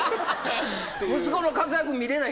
息子の活躍見れないから。